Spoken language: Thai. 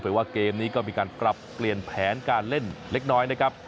เพราะว่าเกมนี้ก็มีการปรับเปลี่ยนแผนการเล่นเล็กน้อยนะครับ